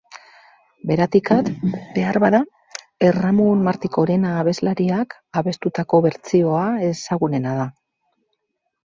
Beratik at, beharbada Erramun Martikorena abeslariak abestutako bertsioa ezagunena da.